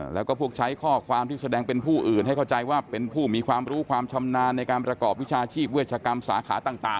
แล้วก็พวกใช้ข้อความที่แสดงเป็นผู้อื่นให้เข้าใจว่าเป็นผู้มีความรู้ความชำนาญในการประกอบวิชาชีพเวชกรรมสาขาต่าง